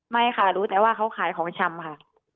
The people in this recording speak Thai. ไม่ค่ะรู้แต่ว่าเขาขายของชำค่ะ